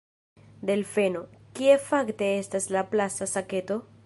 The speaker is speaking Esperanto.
Delfeno: "Kie fakte estas la plasta saketo?"